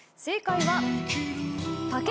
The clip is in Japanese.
正解は。